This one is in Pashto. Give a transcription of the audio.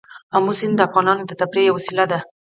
آمو سیند د افغانانو د تفریح یوه وسیله ده.